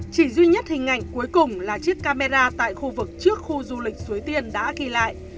chỉ duy nhất hình ảnh cuối cùng là chiếc camera tại khu vực trước khu du lịch suối tiên đã ghi lại